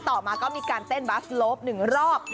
ต่อมาก็มีการเต้นบัสโลป๑รอบ